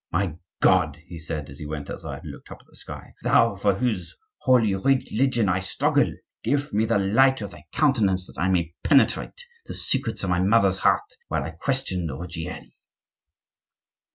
"My God!" he said, as he went outside and looked up at the sky, "thou for whose holy religion I struggle, give me the light of thy countenance that I may penetrate the secrets of my mother's heart while I question the Ruggieri."